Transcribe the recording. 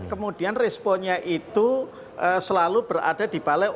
kemudian responnya itu selalu berada di balai